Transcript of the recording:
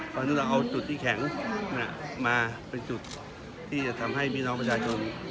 ตอนนี้เราเอาจุดที่แข็งมาเป็นจุดที่จะทำให้พี่น้องประชาชน